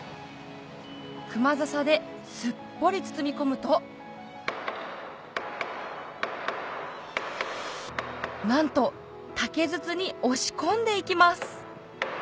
クマザサですっぽり包み込むとなんと竹筒に押し込んで行きます